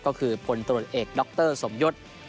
ก็คือพลตรวจเอกด๊อกเตอร์สมยศ